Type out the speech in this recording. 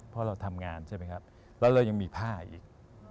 เพราะเราทำงานใช่ไหมครับแล้วเรายังมีผ้าอีก